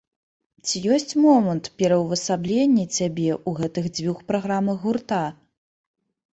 Ці ёсць момант пераўвасаблення цябе ў гэтых дзвюх праграмах гурта?